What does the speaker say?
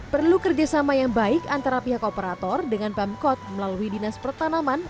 perlu kerjasama yang baik antara pihak operator dengan pemkot melalui dinas pertanaman